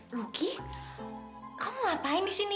ruki kau mau ngapain disini